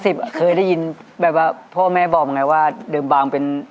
เคยได้ยินแบบว่าพ่อแม่บอกไงว่าเดิมบางเป็น